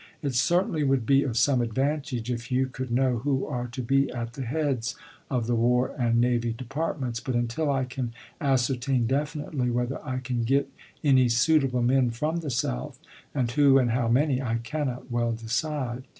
It certainly would be of some advantage if you could know who are to be at the heads of the War and Navy Departments ; but, until I can ascertain definitely whether I can get any suitable men from the South, and who, and how many, I cannot well decide.